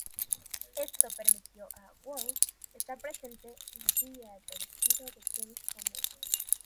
Esto permitió a Wolff estar presente el día del despido de James Comey.